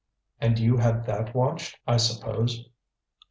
"And you had that watched, I suppose?"